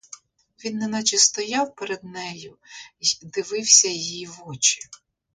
Він неначе стояв перед нею й дивився їй в очі.